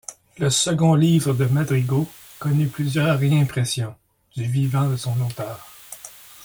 Le second livre de madrigaux connut plusieurs réimpressions, du vivant de son auteur.